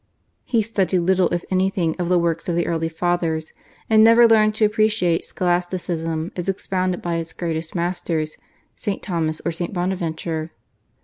He studied little if anything of the works of the early Fathers, and never learned to appreciate Scholasticism as expounded by its greatest masters, St. Thomas or St. Bonaventure.